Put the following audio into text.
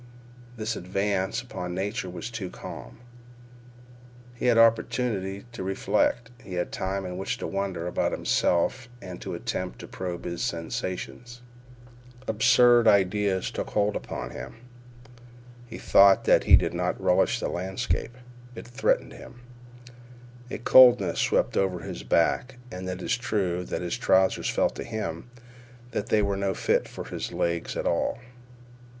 This advance upon Nature was too calm. He had opportunity to reflect. He had time in which to wonder about himself and to attempt to probe his sensations. Absurd ideas took hold upon him. He thought that he did not relish the landscape. It threatened him. A coldness swept over his back, and it is true that his trousers felt to him that they were no fit for his legs at all.